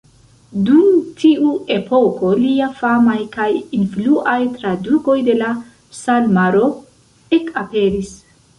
Dum tiu epoko lia famaj kaj influaj tradukoj de la Psalmaro ekaperis.